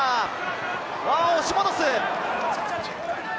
押し戻す！